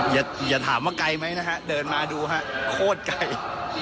อย่าถามว่าไกลไหมนะฮะเดินมาดูฮะโคตรไกล